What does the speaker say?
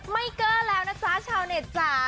ไม่เก้าแล้วนะจ๊ะชาวเน็ตจ้า